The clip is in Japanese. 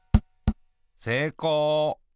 せいこう。